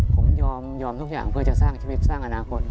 ผมยอมทุกอย่างเพื่อจะสร้างชีวิตสร้างอนาคต